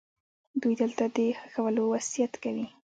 دوی دلته د ښخولو وصیت کوي.